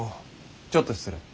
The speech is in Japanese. ちょっと失礼。